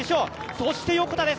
そして横田です！